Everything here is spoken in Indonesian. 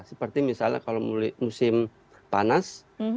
seperti misalnya kalau musim panas